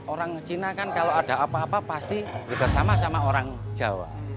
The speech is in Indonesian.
orang cina kan kalau ada apa apa pasti sudah sama sama orang jawa